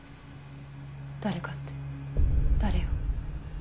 誰かって誰よ？